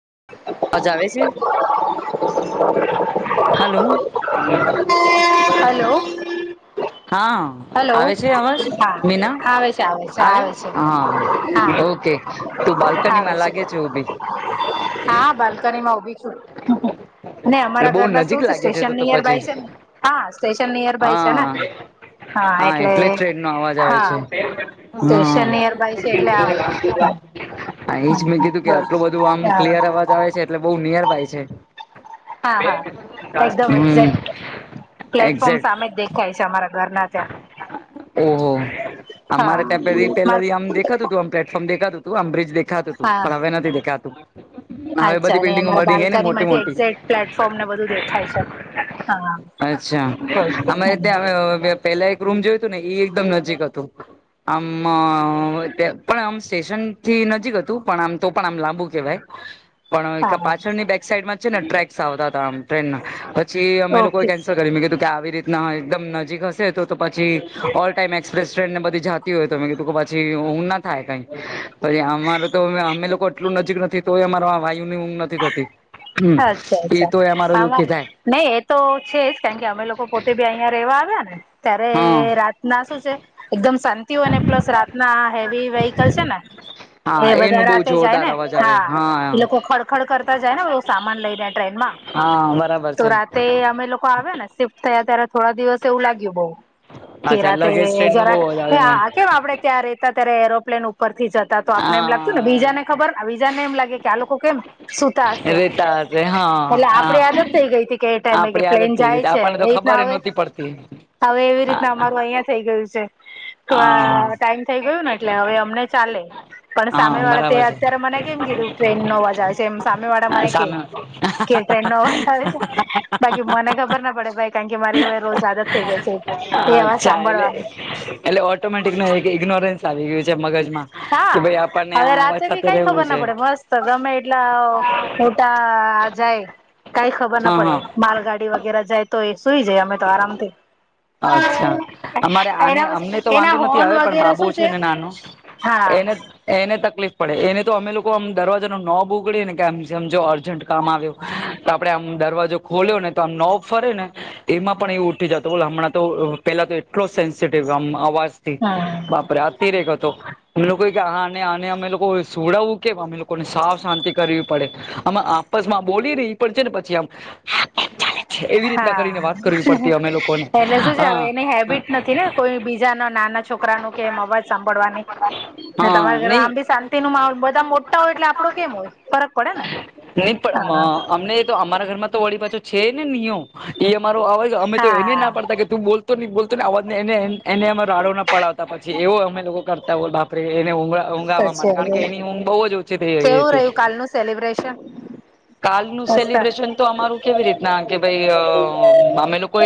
[inaudible] Hello. Hello hello હા મીના આવે છે આવે છે આવે છે હા. ઓકે તું હા બાલ્કનીમાં છે, લાગે ઉભી હા બાલ્કનીમાં ઉભી છું. ને એટલે અમારા બહુ ઘરના નજીક શું છે લાગે સ્ટેશન તો તો નિયર પછી બાય છે ને હા સ્ટેશન નિયર બાય છે ને. હા હા એટલે જ ટ્રેન નો અવાજ આવે હા. છે હા સ્ટેશન નિયરબાય છે એટલે આવે. હા એ જ મેં કીધું કે આટલું બધું આમ ક્લિયર અવાજ આવે છે એટલે બઉ નિયર બાય છે. હા હા, એકદમ હમ એક્ઝેક્ટ પ્લેટફોર્મ એક્ઝેક્ટ સામે જ દેખાય છે અમારા ઘરના ત્યાં ઓહો અમારે ટેમ્પરી હા ટેલરી આમ દેખાતું તું આ પ્લેટફોર્મ દેખાતું અમબ્રિજ દેખાતું હા હવે નથી દેખાતું. હવે અચ્છા બધી અને બિલ્ડીગો અમારા બની ગઈ ને બાલ્કની મોટી માંથી મોટી. એક્ઝેક્ટ પ્લેટફોર્મ ને બધું દેખાય છે હા અચ્છા બસ અરે હમ ત પેલા એક રૂમ જોયું હતું ને એ એકદમ નજીક હતું. આમ પણ આમ સ્ટેશન થી નજીક હતું પણ આમ તો પણ આમ લાબુ કેવાય. હ [inaudible] પણ પાછળની બેક સાઈડમાં છે ને ટ્રેક્સ આવતા હતા આમ ટ્રેન ના. પછી અમે લોકોએ ઓકે કેન્સલ કરી મે કીધું કે આવી રીતના એકદમ નજીક હશે તો પછી, ઓલ ટાઈમ એક્સપ્રેસ ટ્રેન ને બધી જતી હોય તો મેં કીધું કે પછી હું ના થાય કઈ. પછી અમારે તો અમે લોકો એટલું નજીક નથી તોય અમારા વાયુ ની ઊંઘ નથી થતી. હમ અચ્છા એ અચ્છા, તો અમારો આમાં દુઃખી થાય નહી એ તો છે જ કારણ કે અમે લોકો પોતે બી અહિયાં રેવાનું ને ત્યારે હા રાત ના શું છે, એકદમ હોય અને પ્લસ રાતના હેવી વેહકલ છે ને હા એ બધા એનું બહુ રાતે જાય જોરદાર ને અવાજ આવે હા એ લોકો ખડખડ કરતા જાય ને લ ટ્રેનમાં, હા બરાબર તો છે રાતે અમે લોકો આવ્યાને સફ થયા ત્યારે થોડા દિવસ એવું લાગ્યું બઉુ. અચ્છા કેરાતે લગેજ ટ્રેન નું જરા બહુ અવાજ આવે કે આપડે ત્યાં રેતા ત્યારે એરોપ્લેન ઉપર ઉપરથી જતા તો આપને એમ લાગતું ને બીજા ને હા ખબર બીજા ને એમ લાગે કે આ લોકો કેમ સુતા હશે. રેતા હશે હા એટલે હા આપડે યાદ જ થઇ ગઈ હતી કે એ ટાઈમે કે આપડી આદત પ્લેન થઈ જાય ગઈ છે, આપણને એ તો રીતના ખબર આવે. નહોતી પડતી હવે એવી હા રીતના અમારું અહિયાં થઈ ગયું છે, હા થોડા ટાઈમ થઈ ગયું ને એટલે હવે અમને ચા પણ હા સામે વાળા તે બરાબર છે અત્યારે મને કેમ કીધું ટ્રેન નોવાજ છે, એમ સામે વાળા મને. સામે કે ટ્રેન નો અવાજ આવે છે, બાકી મને ખબર ના પડે ભાઈ. કારણ કે મારી રોજ આદ જ થઈ ગાય છે. હા એ અવાજ અચ્છા એટલે સાંભળવાની એટલે ઓટોમેટિક ન એક ઇગ્નોરન્સ આવી ગયું છે. મગજમાં કે હા ભાઈ આપણને હવે આ અવાજ રાતે બી સાથે કઈ રહેવું ખબર છે ના પડે મસ્ત ગમે એટલા. [unintelligible] જાય કઈ ખબર ના હા પડે હા માલગાડી વગેરા જાય તો એ. સુઈ જાય અમે તો આરામથી. અચ્છા અમારે આને એના અમને તો પછી એના વાંધો નથી હોર્ન આવે વગેરે પણ શું [unintelligible] છે, ને નાનો. હા એને એને તકલીફ. પડે એને તો અમે લોકો આમ દરવાજા ન ન બોગડે ને કે આજ અર્જન્ટ કામ આવ્યો તો આપડે આમ. દરવાજો ખોલ્યો ને તો આમ નોબ ફરે ને. એમાં પણ એવું ઉઠી જતો બોલો હમણાં તો પેલા તો એટલો સેન્સિટિવમ હમ [unintelligible] બાપરે [unintelligible] તો અમે લોકો કે આ આને અમે લોકો સુડાવું કેમ અમે લોકોને સાફ શાંતિ કરવી પડે. આમે આપસમાં બોલી ને ઈ પણ છે ને પછી આમ એવી રીતના કરીને હા વાત. કરવી પડતી અમે લોકોને એટલે શું છે, હવે હા એની હેબિટ નથી ને કોઈ બીજા ના નાના છોકરા ન કે અવાજ સા સાંભળવાની. હા તમારા ઘરમાં નહી આમ બી શાંતિ નો માહોલ બધા મોટા હોય એટલે આપડો કેમ હોય ફરક પડે ને. નહી પણ હા અમને અમારા ઘરમાં તો વળી પાજો છે, ને નિયો. અરો અવાજ અમે તો એને હા ના પાડતા કે ત બલતો નહી બોલતો ને અવા એ એને [unintelligible] પડાવતા પછી એવો અમે લોકો કરતા હો બાપરે એને. ઊંગાવા માટે સાચી કારણ કે વાત એની ઊંઘ બહુ જ ઓછી થઈ ગઈ કેવું હતી. રહ્યું કાલનું સેલિબ્રેશન? કાલ નું મસ્ત સેલિબ્રેશન તો અમારું કેવી રીતના કે ભાઈ અમે લોકો.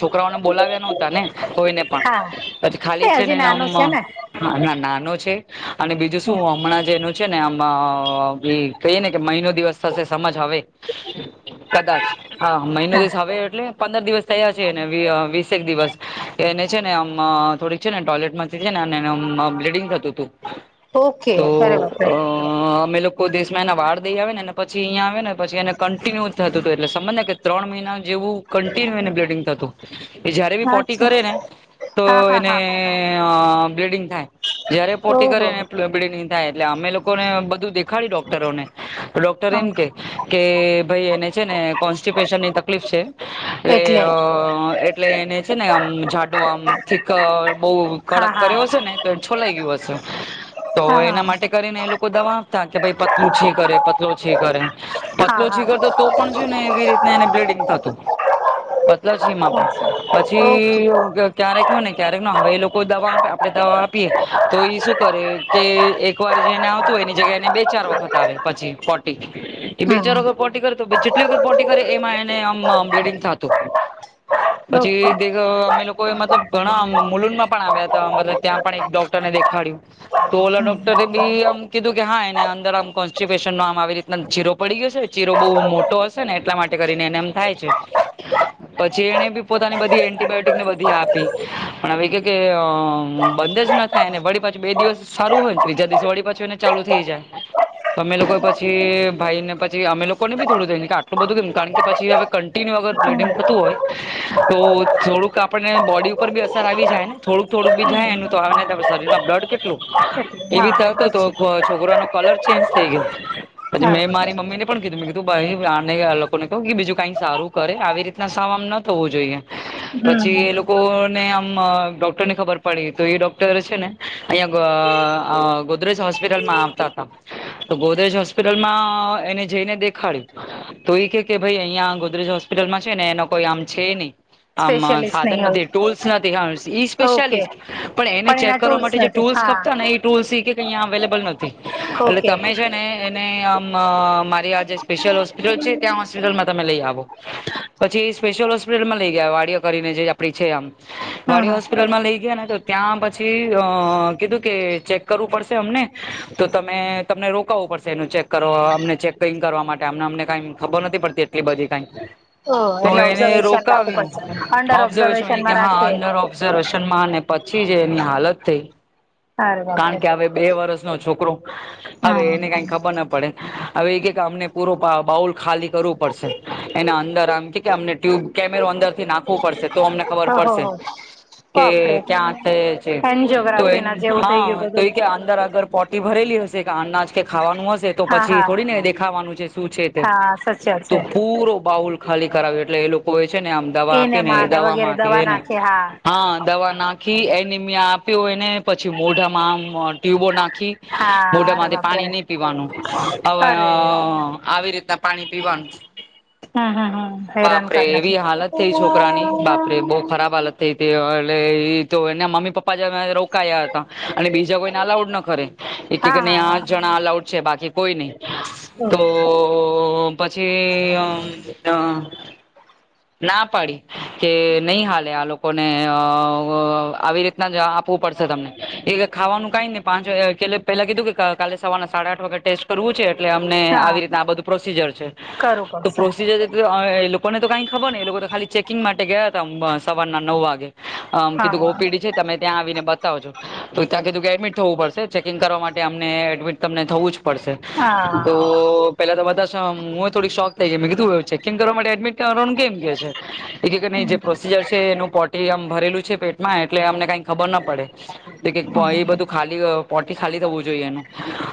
છોકરાઓને બોલાવ્યા નોતા ને. કોઈ ને પણ હા પછી ખાલી એ છે, હજી ને ના નાનું છે ના. ને [unintelligible] બીજું [unintelligible] હમણાં જેનું છે, ને કહી ને કે મહિનો. દિવસ થશે સમજ આવે કદાચ હા મહિનો હા. દિવસ [unintelligible] એટલે. પંદર દિવસ થયા છેને વીસેક દિવસ એને છે, ને આમ થોડીક છે, ને ટોયલેટ માંથી છે, ને. [unintelligible] બ્લીડિંગ થતું હતું ઓકે તો બરાબર. અમે લોકો. કોઈ દેશમાં એના વાળ દઈ આવે ને પછી અહીંયા આવે ને પછી એને કન્ટિન્યુ થતું હતું એટલે સમજને કે ત્રણ મહિના. જેવું કન્ટિન્યુ એને બ્લડિંગ થતું. એ જયારે બી પોટી કરે ને અચ્છા તો હા હા એને હા [unintelligible] બ્લેડિંગ. [unintelligible] પોટી કરે ઓહો [unintelligible] થાય એટલે અમે લોકોને બધું દેખાડી ડોક્ટરો ને. ડોક્ટર એમ કે કે ભાઈ એને છે, ને કોન્સ્ટિપેશન. તકલીફ છે, એટલે એટલે એને છે, ને આમ. [unintelligible] બહ હા કડક હા કર્યો હશે ને તો છોલાઈ ગયું હશે. તો હા હા એના માટે કરીને એ લોકો દવા આપતા કે ભાઈ પતલું [unintelligible] કરે પતલો [unintelligible] કરે. હા હા પતલોછી કરરતો તો પણ છે, ને એવી રીતને એને બ્લીડિંગ થતું. [unintelligible] એમાં પણ ઓકે પછી ક્યારેક હોય ને ક્યારેક હવે લોકો. દવા આપે આપે દવા આપીએ તો એ શું કરે કે એક વાર જેને આવતું હોય એની જગ્યાએ એને બેચ ચાર વખત આવે પછી. પોટી એ બે હમ ચાર વગર પોટી કરે તો જેટલી વખર પોટી કરે એમાં એને આમ બ્લેડિંગ થતું. [unintelligible] પછી [unintelligible] અમે લોકો મતલબ ઘણા [unintelligible] માં પણ આવ્યા હતા મતલબ ત્યાં પણ એક ડોક્ટર ને દેખાડ્યું [unintelligible] ડોકરે બીમ કીધું કે હા એને અંદર આમ [unintelligible] આવી રીતના જીરો પડી ગયો હશે ચીરો બહુ મોટો હશે ને એટલા માટે કરીને એને એમ થાય છે પછી એને બી પોતાની બધી એન્ટીબાયોટિકને બધી આપી પણ હ કે બ થાય વળી પાછી બે દિવસ સારું હોયને ત્રીજા દિવસ વળી પાછું હોને ચાલુ થઈ જાય તમે લોકોછ પછી ભાઈ ને પછી અમે લોકોને બી થોડું થાય ને કે આટલું બધું કેમ કારણ કે પછી હવે કન્ટિન્યુ અગર બ્લીડિંગ થતું તો થોડુંક આપને બોડી ઉપર બી અસર આવી જાય થોડુંક થોડુંક બી જાય તો શરીરમાં બ્લડ કેટલું એ બ થ હતું તો છોકરાનો કલર ચેન્જ થઈ ગયો પછી મેં બરોબર મારી મમ્મી ને પણ કીધું મે કીધું આને લોકોને કહું કે બીજું કઈ સારું કરે આવી રીતના સામ ન થવું જોઈએ પછી એ હમ લોકો ને ડોક્ટર ની ખબર પડી તો એ ડોક્ટર છે ને અહીં ગોદરાજ હોસ્પિટલ આવતા તો ગોદરેજ હોસ્પ હોસ્પિટલમાં એને જઈને દેખાડ્યું તો એ કે કે ભાઈ અહિયાં ગોદરેજ હોસ્પિટલમાં છે ને એનો કો આમ છે નહી આ સ્પેશિયલિસ્ટ નહી સાધન નથી હોય ટોલ્સ નથી ઈ ઓકે સ્પેશલસ્ટ પણ એને ચેક એના કરવા ટૂલ્સ માટે નથી હા ટ ને ટૂલ્ અવેલેબલ નથી એટલે ઓકે તમે છે ને સ્લ હોસ્પિટલ છે ત્યાં હોસ્પિટલમાં તમે લઈ આવો પછી સ્િયલ હોસ્પિટલમાં લઈ ગયા વાડીિયા કરીને જે આપ છેમ હમ વાડીિયા હોસ્પિટલમાં લઈ ગયા ને તો ત્યાંછ પછી અ કીધું કે ચેક કરવું પડશે અમને તો તમે તમને રોકાવવો પડશે એનું ચેક કર અમને ચેક કઈ કરવા માટે અમને અમને કઈ ખબર નથી પડતી એટલી બધી કઈ હ ઓ તો એટલે એને ઓબ્ઝર્વેશન રાખવું રોકાવ્યું પડશે અંડર ઓબ્ઝર્વેશન કે ઓબ્ઝર્વેશનમાં હા રાખીએ અડર ઓબ્ઝર્વેશન ને પછી જે એની હાલત થઈ અરે કારણ કે હવે બે વર્ષનોો છોકરો હા હ એમને પૂ બાઉલ ખાલી કરવું પડશે એના અંદર આમ કે કેમેરો અંદર થી નાખવો પડશે તો અમને ખબર ઓહો પડશે હો કે બાપરે ક્યાં થયા છે તો એ એન્જિયોગ્રાફી ના જેવું થઈ ગયું હા તો બધું એ કે અંદર અગર પોટી ભરેલી હશે કે અનાજ કે ખાવાનું હ તો હા પછી હા થોડીને દેખાવાનું છે શું છે તે હા સચ્ય તો છે પૂરો બાઉલ ખાલી કરાવી એટલે એ લોકોએ ને આમ દવા એને આપીને માને દ વગેરે દવા માંથીને નાખે હા દવા નાખ એનમિયા આપ્યો એને પછી મોઢામાં આમ ટ્યુબો નાખી હા અરે મોઢામાં બાપરે પાણી નહી પીવાનું હવે અરે આવી રીત પાણી પીવાનું હા હા હા બાપરે એવી હાલત થઈ છોકરાની બાપરે બહ ખરાબ હાલત થઈ તે એટલે એ તો એના મમ્મી પપ્પા જે રોકાયા હતા અને બીજા કોઈને અલાઉડ ના કરે એક હા આ હા જણા અલાઉડ છે બાકી કોઈ નહી તો તો પછી ના પાડી કે નહી હાલે આ લોકોને આવી રીતના જ આપ પડ તમને એ ખાવાનું કઈ ન પાંચ વા પેલા કીધું કે કાલે સવાના સાડા આઠ વાગે ટેસ્ટ કરવું છે એટલે અમને આવી રીત હા આ બધું પ્રોસીજર છે કરવું તો પડશે પ્રોસીજર લોકોને તો કઈ ખબર ને એ લોકો તો ખાલી ચેકિંગ માટે ગયા હતા સવારના નવ વાગે આમ કીધું ગૌ હા પીઢી છે તમે ત્યાં આવીને બ તો ત્યાં કીધું કે એડમિટ થવું પડશે ચેકિંગ કરવા માટેમને એડમિટ તમને થવું જ પડશે તો હા પેલા તો બધા હું થોડીક શોક થઈ ગ મે કીધું ચેકિંગ કરવા માટે એડમિટ કરવાનું મ કે જે પ્રોસીજર છે એનું પોટીમ ભરેલું છે પેટમાં એટલે અમને કઈ ખબર ના પડે એ બધું ખાલી પોટી ખાલી થવું જોઈએ એનું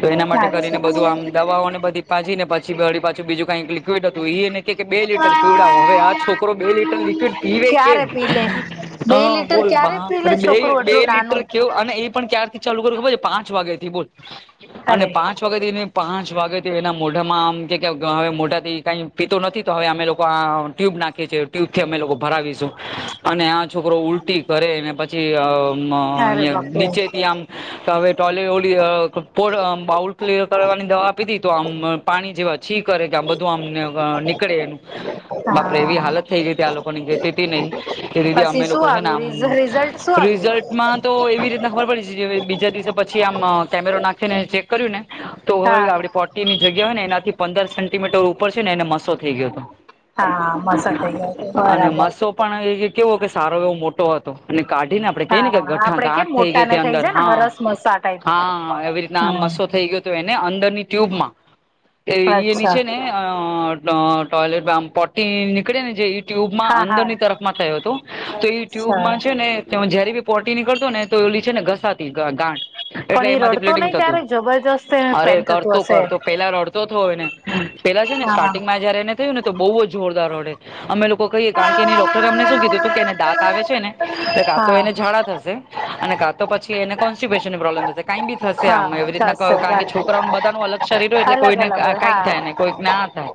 તો એના માટે કરીને બધું અચ્છા આમ દવાઓ ને બધી પાછી ને પછી બેળી પાછું બીું કંઈક લિકવિડ હતું એ કે બે લીટર પીવડા હો છોકરો બે લીટર લિક્વિડ પીવે ક્યારે કેમ પી લે હ બે લીટર બોલ ક્યારે પી બે લે છોકરું બે એટલું નાનું લીટર કેવ અને એ પણ ક્યારથી ચાલુ કર ખબર છે પાંચ વાગ્યા થી બોલ અને અરે પાંચ વાગ્યાથી પાંચ વાગેથી એના મોઢામાં આમ કે હવે મોઢાથી કઈ પીતો નથી તો હવે અમે લોકો આ ટ્યુબ નાખી છીએ ટ્યુબ થી અમે લોકો ભરાવીશું અને આ છોકરો ઉલટી કરે ને પછી અરે બાપરે નીચેથી આમ હવે ટોયલેટ ઓલી પો બાઉલ ફ્લર કરવાની દવા આપી હતી તો આમ પાણી જેવા છી કરે કે આમ બધું આમને નીકળે એ બાપડે એવી હા હાલત થઈ ગઈ હતી આ લોકો ની ગતી નહી એ દીદી પછી અમે શું લોકો છે ને આમ આવ્યું રિઝલ્ટ શું આવ્યું રિઝલ્ટમાં તો એવી ના હોય બીજા દિવસે પછી આમ કેમેરો નાખી ને ચેક કર્યું ને તો ખબર હો હા કે આપડી પોટી ની જગ્યા હોય ને એનાથી પંદર સેન્ટીમીટર ઉપર છે ને એને મસો થઈ ગયો હતો. હા મસા થઈ ગયા અને બરાબર મસો પણ કેવો કે સારો એવો મોટો હતો કાઢીને આપડે કઈને કે હા ગઠ આપડે કેમ ગાંઠ થઈ મોટા ગઈ છે ને અંદર. જાય ને હા હરસ મસા ટાઈપ હા એવી રીતના આમ હમ મસો થઈ ગયો તો એને અંદરની ટ્યુબમાં એની અચ્છા છે ને ટોયલેટ આમ પો ટી નીકળે ને જે એ ટ્યુબમાં હા અંદર હા ની તરફ માં થયો હતો. તો એ અચ્છા ટ્યુબમાં છે ને ત જયારે બી પોટી નીકળતો ને તો ઓલી છે ને ઘસાતી ગાંઠ એટલે પણ એ એમાંથી રડતો પ્લેટિંગ નહી થતું ત્યારે જબરજસ્ત અરે પેન્ટ થતું કરતું હશે કરતો પેલા રડતો થયો એને પેલા છે ને હા સ્ટાર્ટિંગમાં જયારે એને થયું ને તો બવ જ જોરદાર રડે. અમે લોકો કહીએ કારણ કે એની ડોક્ટરે અમને શું કીધું હતું કે એને દાંત આવે છે ને એટલે કાં તો હા એને ઝાડા થશે અને કાં તો પછી એને કોન્સ્ટબેશનની પ્રોબ્લેમ થશે કાઈ બી થશે આમ હા એવી રીતના ક થશે કારણ કે છોકરાઓને બધા ન અલગ શરીર હોય એટલે અલગ કોઈને અલગ હોય કઈ થાય હા ને કોઈ ના થાય.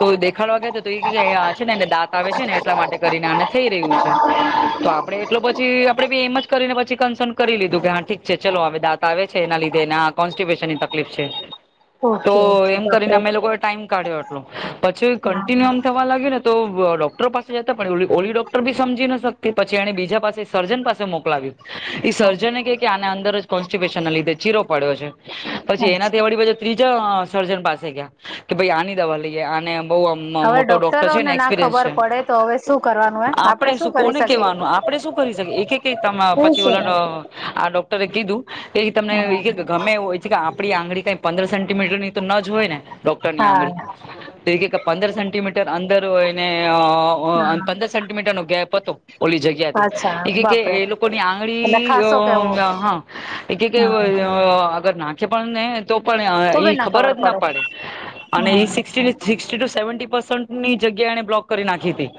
તો દેખાડવા યા તો છે ને એને દાંત આવે છે ને એટલા માટે કરીને આને થઈ રહ્યું છે તો આપણે એટલે પછી આપડે બી એમ જ કરીને પછી કન્સર્ન કરી લીધું કે હા ઠીક છે ચલો હવે દાંત આવે છે એના લીધે આ પ્રેશરની તકલીફ છે તો ઓકે ઓકે એમ કરીને બાપરે અમે લોકોએ ટાઈમ કાઢ્યો પછી ક હા આમ થવા લાગ્યો ને તો ડોક્ટર પાસે જતા પણ ઓલી ડોક્ટર બી સમજી ન શકતી પછી એને બીજા પાસે સર્જન પાસે મોકલાવ્યું એ સર્જન કે કે આને અંદર જ કોન્સ્ટિબેશન ના લીધે ચીરો પડ્યો છે. પછી એના થી વાળી ત્રીજા સર્જન પાસે ગયા કે ભાઈ આની દવા લઈએ આને બવ હવે મોટો ડોક્ટર ડોક્ટરોને છેને ના એક્પિરયસ ખબર છે. પડે તો હવે શું કરવાનું હે આપડે શું કરી કોને કેવાનું શકીએ આપડે શું કરી શકે એક એક માં હું પછી છે ઓ ને આ ડોક્ટરે કીધું કે તમને હા ગમે એવું આપડી આંગળી કઈ પંદર સેન્ટીમીટર ની તો ન જ હોય ને ડોક્ટર ની હા આંગળી પંદર સેન્ટીમીટર અંદર એને હમ પંદર સેન્ટીમીટર નો ગેપ હતો ઓલી જગ્યાથી અચ્છા એ બાપરે એ લોકોની એટલે આંગળી ખાસો કેવો અ હા એ હમ [unintelligible] નાખે પણને તો પણ અ એ ખબર જ ના પડે અને એ હમ સિક્સટી થી સિકસટી ટુ સેવન્ટી પર્સનટ ની જગ્યા એને બ્લોક કરી નાખી તી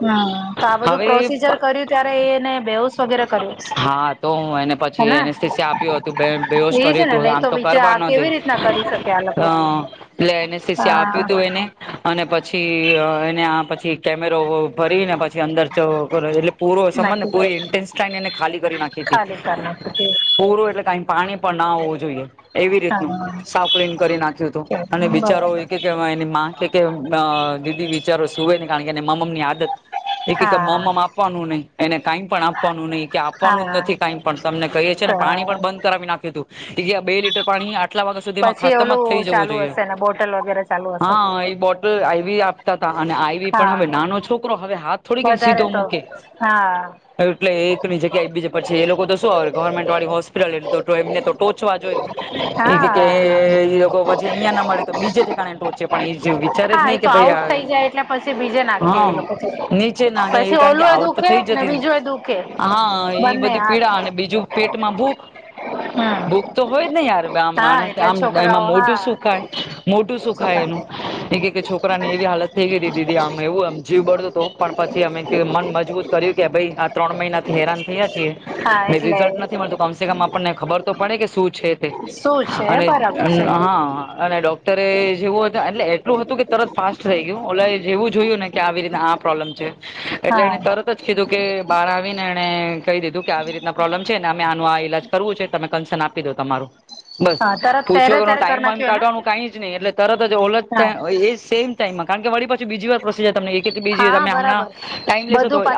હમ્મ, તો આ બધું પ્રોસીજર કર્યું ત્યારે એને બેહુસ વગેરે કર્યું તો હા એને પછી હેને એને સીસી આપ્યું હતું બેહોશ એ છે કર્યું ને હતું નહી આમ તો બીજે કરવા આ ન દે. કેવી રીતના કરી શકે આ લોકો હા પેલે એનેસ્થિસ્યા આપ્યું હા ત એને અને પછી અ એને આ પછી કેમેરો ભરીને પછી અંદર એટ પૂરો સમજ ને નાખી પૂરે ઇન્ટેન્સાઈન એને ખાલી કરી નાખી હતી ખાલી કર નાખી તે પૂરો એટલે કાઈ પાણી પણ ના હોવું જોઈએ. એવી હા રીતનું સાવ કલીન કરી નાખ્યું હતું અને બિચારો બરાબર એ એની માં કે કે દીદી વિચારો સુવે ને કારણ કે મમ ની આદત એ કે કે હા મમમ આપવાનું નહી એને કાઈ પણ આપવાનું નહી કે આપવાનું હા જ નથી કાઈ પણ તમને કહીએ છી તો ને પાણી પણ બંધ કરાવી નાખ્યું તું કે આ બે લીટર પાણી આટલા વાગ્યા સુધીમાં પછી ખતમ જ થઈ ઓલું જવું ચાલુ જોઈએ. હશે ને બોટલ વગેરે ચાલુ હશે હા એ બોટલ આવી આપતા તા અને આવી પણ હવે હા નાનો છોકરો હવે હાથ થોડી કઈ વધારે સીધો તો મૂકે હા તો એટલે એ ની જગ્યા એ બીજે પછી એ લોકો તો શું વે ગવર્મેન્ટ વાળી હોસ્પિટલ એટલે એમને તો ટોચવા જ હોય એ જ કે હા ઈ લોકો જે અહીંયા ના મળે તો બીજેથી છે પણ એ જે વિચારે જ હા એ નહી તો કે ભાઈ આઉટ થઈ જાય એટલે પછી બીજે નાખે હા એ લોકો તો. નીચે નાગ્ય પછી કારણ કે ઓલું એ આવટ તો દુખે થઈ ને જતી બીજું એ દુખે હા ઈ બંને બધી હાથ પીડા અને બીજું પેટમાં ભૂખ હમ ભૂખ તો હોય જ ને યાર આમ હા માણસ એટલે આમ એમાં છોકરાઓ મોટું હા સુખાય મોટું સુખ કાય છોકરા એનું એ કે કે છોક છોકરાની એવી હાલત થઈ ગઈ તી દીદી આમ એવું આમ જીવ બડતો તો પણ પછી અમે મન મજબૂત કર્યું કે ભઈ આ ત્રણ મહિના થી હેરાન થયા છીએ હા ને એટલે રિઝલ્ટ નથી મળત કમસેકમ આપણને ખબર તો પડે કે શું છે તે શું છે અને બરાબર છે હા અને ડોક્ટરે જેવું હતા એટલે એટલું હતું કે તરત ફાસ્ટ થઈ ગયું એટલે જેવું જોયું ને કે આવી રીતે આ પ્રોબ્લેમ છે. એટલે હા એને તરત જ કીધું કે બહાર આવી ને એને કહી દીધું કે આવી રીતના પ્રોબ્લમ છે ને અમે આનું આ ઈલાજ કરવું છે તમે કન્સન આપી દો તમારું બસ હા તરત પૂછો ત્યારે કર ત્યારે ટાઈમ કરી વાઇમ નાખ્યું કાઢવાનું કઈ જ નહી એટલે તરત જ ઓલખ એને હા થાય એ સેમ ટાઇમમાં કારણ કે વળી પછી બીજી વાર પ્રોસીજર તમ એક કે બીજી હા તમે હમણા બરાબર ટાઈમ લેશો બધું તો પા